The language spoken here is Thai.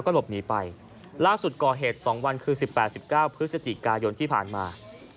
คือ๑๘๑๙พฤศจิกายนที่ผ่านมา